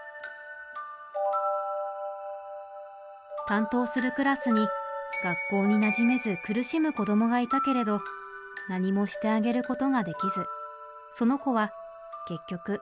担当するクラスに学校になじめず苦しむ子どもがいたけれど何もしてあげることができずその子は結局不登校に。